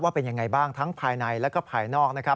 เป็นยังไงบ้างทั้งภายในและภายนอกนะครับ